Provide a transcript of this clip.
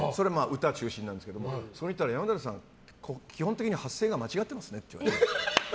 歌が中心なんですけどそしたら山寺さん、基本的に発声が間違ってますねって。